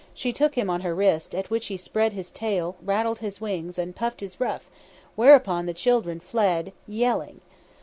She took him on her wrist, at which he spread his tail, rattled his wings, and puffed his ruff, whereupon the children fled, yelling.